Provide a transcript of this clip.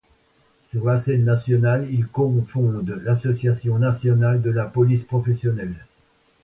Sur la scène nationale, il cofonde l'Association nationale de la police professionnelle.